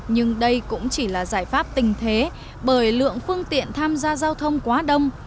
nhưng đây cũng chỉ là giải pháp tình thế bởi lượng phương tiện tham gia giao thông quá đông